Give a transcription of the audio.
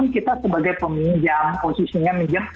kita sebagai peminjam posisinya meminjam